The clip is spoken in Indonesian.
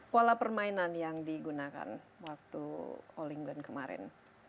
pola permainan yang digunakan waktu all england kemarin